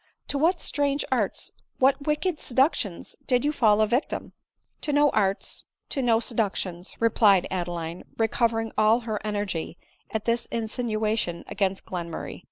— to what strange arts, what wicked seductions did you fall a victim ?" "To no arts — to no seductions" — replied Adeline, re covering all her energy at this insinuation against Glen murray.